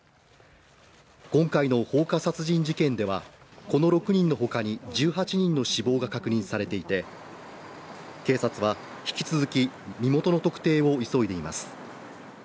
今回の放火殺人事件ではこの６人の他に１８人の死亡が確認されていて警察は引き続き、身元の特定を急いでいます。